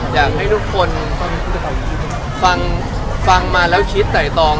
อยากให้ทุกคนฟังฟังมาแล้วคิดไต่ตอง